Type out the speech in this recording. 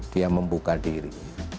dia membuka diri